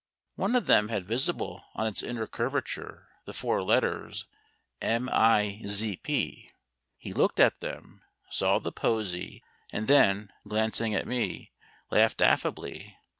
One of them had visible on its inner curvature the four letters MIZP . He looked at them, saw the posy, and then, glancing at me, laughed affably.